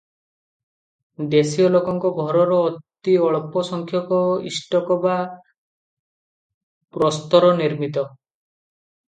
ଦେଶୀୟଲୋକଙ୍କ ଘରର ଅତିଅଳ୍ପ ସଂଖ୍ୟକ ଇଷ୍ଟକ ବା ପ୍ରସ୍ତର ନିର୍ମିତ ।